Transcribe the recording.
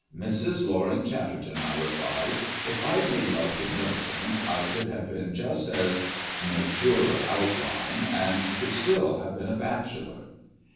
"Mrs. Loring Chatterton," I replied, "if I'd made love to Millicent I should have been just as mature of outline, and should still have been a bachelor.